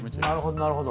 なるほど。